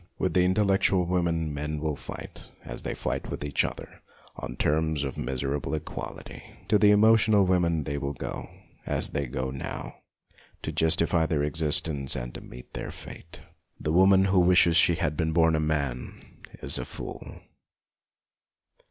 With the intellectual women men will fight, as they fight with each other, on terms of miserable equality. To the emotional women they will go, as they go now, to justify their existence and to meet their fate. The woman who wishes that she had been born a man is a fool.